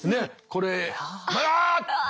これあっ！